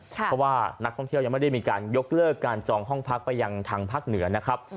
เพราะว่านักท่องเที่ยวยังไม่ได้มีการยกเลิกการจองห้องพักไปยังทางภาคเหนือนะครับ